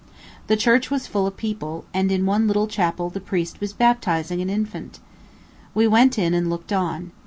The church was full of people, and in one little chapel the priest was baptizing an infant. We went in and looked on.